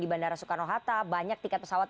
di bandara soekarno hatta banyak tiket pesawat